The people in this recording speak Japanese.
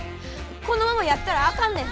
このままやったらあかんねん。